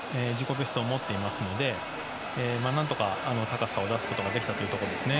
ベストを持っていますので何とか高さを出すことができたというところですね。